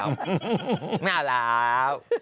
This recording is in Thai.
ไม่เอาแล้ว